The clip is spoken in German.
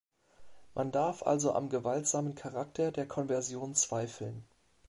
Man darf also am gewaltsamen Charakter der Konversion zweifeln.